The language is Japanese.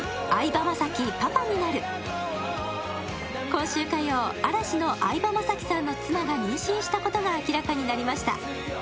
今週火曜、嵐の相葉雅紀さんの妻が妊娠したことが明らかになりました。